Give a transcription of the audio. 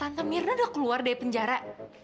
tante tante mirna udah keluar dari penjara